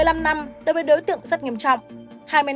hai mươi năm năm đối với đối tượng rất nghiêm trọng